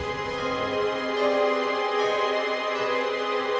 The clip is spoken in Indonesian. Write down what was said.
biar kita tangkap serigala itu di hutan